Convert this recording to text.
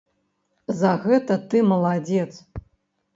За гэта ты маладзец!